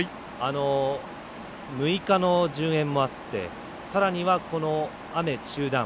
６日の順延もあってさらには雨、中断。